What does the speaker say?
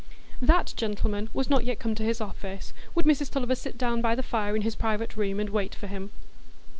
That gentleman was not yet come to his office; would Mrs Tulliver sit down by the fire in his private room and wait for him?